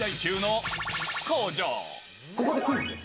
ここでクイズです。